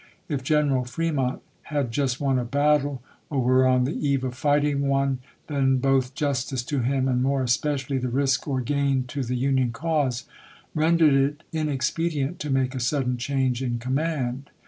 If General Fremont had just won a battle, or were on Vol. IV.— 28 434 ABKAHAM LINCOLN ch. XXIV. the eve of fighting one, then both justice to him, and more especially the risk or gain to the Union cause, rendered it inexpedient to make a sudden change in command.